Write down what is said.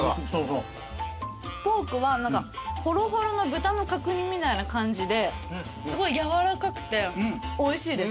ポークはほろほろの豚の角煮みたいな感じですごいやわらかくておいしいです。